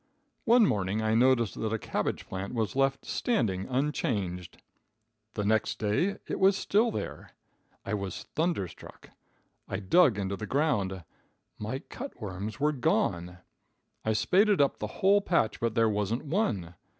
One morning I noticed that a cabbage plant was left standing unchanged. The next day it was still there. I was thunderstruck. I dug into the ground. My cut worms were gone. I spaded up the whole patch, but there wasn't one.